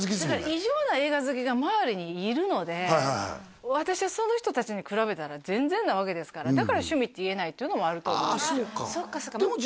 異常な映画好きが周りにいるので私はその人達に比べたら全然なわけですからだから趣味って言えないというのもあると思うんですよああ